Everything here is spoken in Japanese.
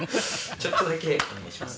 ちょっとだけお願いします。